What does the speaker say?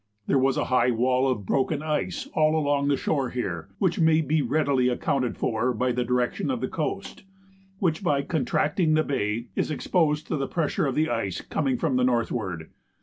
There was a high wall of broken ice all along the shore here, which may be readily accounted for by the direction of the coast, which, by contracting the bay, is exposed to the pressure of the ice coming from the northward.